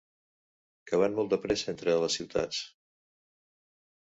Que van molt de pressa entre les ciutats.